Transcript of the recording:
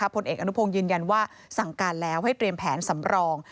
ผลเอกอนุพงศ์ยืนยันว่าสั่งการแล้วให้เตรียมแผนสำรอง